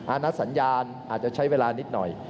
ณสัญญาณอาจจะใช้เวลานิดหน่อย